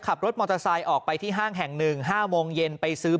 ขับรถมอเตอร์ไซค์ออกไปที่ห้างแห่ง๑๕โมงเย็นไปซื้อ